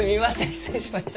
失礼しました。